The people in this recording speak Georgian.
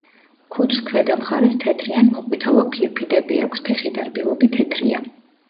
ქუდს ქვედა მხარეს თეთრი ან მოყვითალო ფირფიტები აქვს, ფეხი და რბილობი თეთრია.